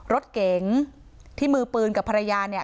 รถเก๋งที่มือปืนกับภรรยา